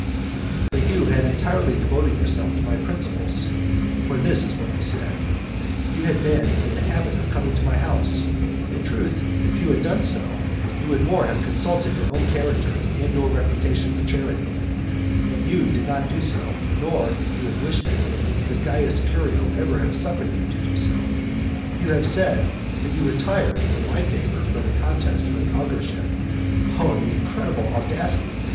But you had entirely devoted yourself to my principles; (for this is what you said;) you had been in the habit of coming to my house. In truth, if you had done so, you would more have consulted your own character and your reputation for chastity. But you did not do so, nor, if you had wished it, would Caius Curio have ever suffered you to do so. You have said, that you retired in my favour from the contest for the augurship. Oh the incredible audacity!